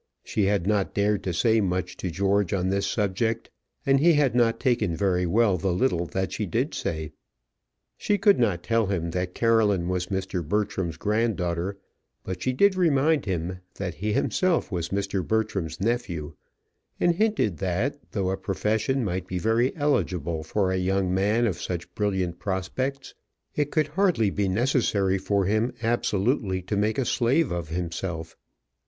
She had not dared to say much to George on this subject, and he had not taken very well the little that she did say. She could not tell him that Caroline was Mr. Bertram's granddaughter, but she did remind him that he himself was Mr. Bertram's nephew, and hinted that though a profession might be very eligible for a young man of such brilliant prospects, it could hardly be necessary for him absolutely to make a slave of himself.